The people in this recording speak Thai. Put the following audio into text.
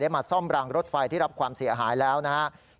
มาซ่อมรางรถไฟที่รับความเสียหายแล้วนะครับ